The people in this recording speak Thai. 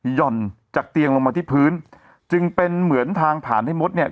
ห่อนจากเตียงลงมาที่พื้นจึงเป็นเหมือนทางผ่านให้มดเนี่ย